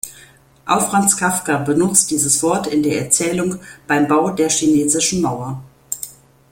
Auch Franz Kafka benutzt dieses Wort in der Erzählung "Beim Bau der Chinesischen Mauer".